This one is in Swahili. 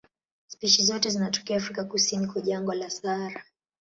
Spishi zote zinatokea Afrika kusini kwa jangwa la Sahara.